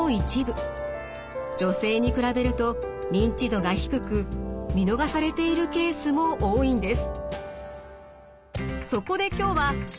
女性に比べると認知度が低く見逃されているケースも多いんです。